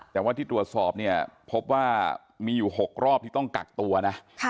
แต่ว่าที่ตรวจสอบเนี่ยพบว่ามีอยู่๖รอบที่ต้องกักตัวนะ